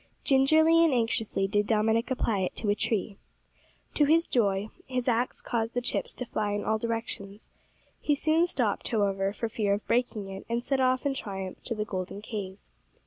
Gingerly and anxiously did Dominick apply it to a tree. To his joy his axe caused the chips to fly in all directions. He soon stopped, however, for fear of breaking it, and set off in triumph to the golden cave.